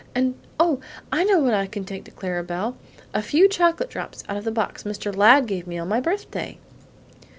And oh! I know what I can take Clara Belle! A few chocolate drops out of the box Mr. Ladd gave me on my birthday."